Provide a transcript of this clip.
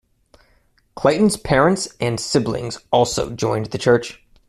Clayton's parents and siblings also joined the church.